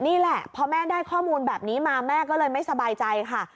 นี่แหละพอแม่ได้ข้อมูลแบบนี้มาแม่ก็เลยไม่สบายใจค่ะ